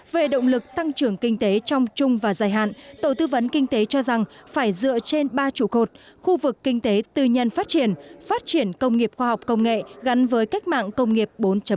về động lực tăng trưởng kinh tế trong chung và dài hạn tổ tư vấn kinh tế cho rằng phải dựa trên ba trụ cột khu vực kinh tế tư nhân phát triển phát triển công nghiệp khoa học công nghệ gắn với cách mạng công nghiệp bốn